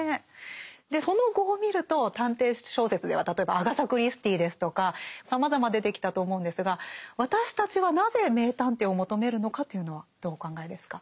その後を見ると探偵小説では例えばアガサ・クリスティーですとかさまざま出てきたと思うんですが私たちはなぜ名探偵を求めるのか？というのはどうお考えですか？